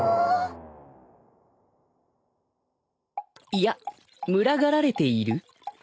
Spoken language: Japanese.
いや群がられている？